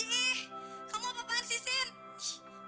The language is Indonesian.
iyih kamu apa apaan sin